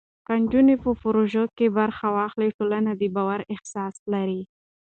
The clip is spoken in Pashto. که نجونې په پروژو کې برخه واخلي، ټولنه د باور احساس لري.